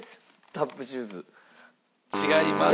タップシューズ違います。